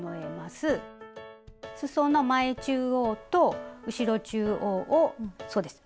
すその前中央と後ろ中央をそうです